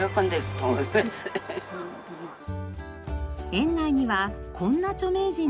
園内にはこんな著名人のお墓も。